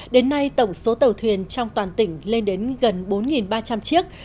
đến nay tổng số tàu thuyền trong toàn tỉnh lên đến gần bốn ba trăm linh chiếc